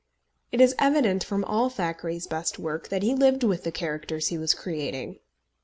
It is evident from all Thackeray's best work that he lived with the characters he was creating.